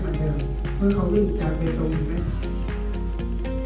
เพราะเขาวิ่งจากไปตรงหนึ่งและสาม